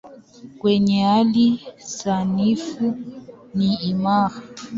Kwenye hali sanifu ni imara.